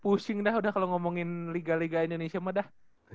pusing dah udah kalau ngomongin liga liga indonesia mah dah